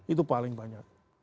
itu paling banyak